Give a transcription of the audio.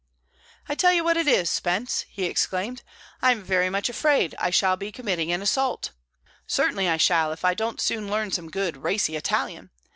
"I tell you what it is, Spence!" he exclaimed, "I'm very much afraid I shall be committing an assault. Certainly I shall if I don't soon learn some good racy Italian.